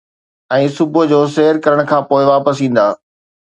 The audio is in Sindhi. ۽ صبح جو سير ڪرڻ کان پوءِ واپس ايندا.